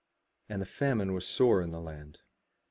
And famine was sore in the land.